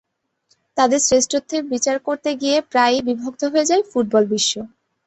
তাঁদের শ্রেষ্ঠত্বের বিচার করতে গিয়ে প্রায়ই বিভক্ত হয়ে যায় ফুটবল বিশ্ব।